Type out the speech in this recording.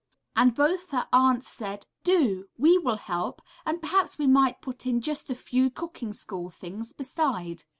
'' And both her aunts said, ``Do! We will help, and perhaps we might put in just a few cooking school things beside.''